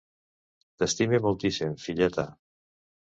T'estime moltíssim, filleta.